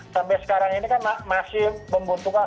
sampai sekarang ini kan masih membutuhkan